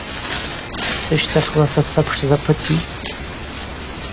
Сыщтахьла сацапшзапытитӏ.